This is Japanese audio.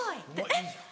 えっ！